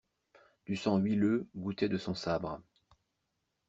Du sang huileux gouttait de son sabre.